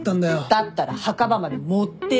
だったら墓場まで持ってって。